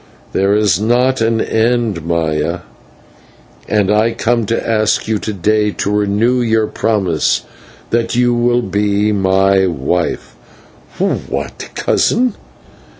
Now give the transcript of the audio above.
"There is not an end, Maya, and I come to ask you to day to renew your promise that you will be my wife." "What, cousin!